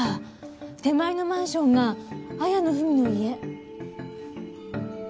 手前のマンションが綾野文の家。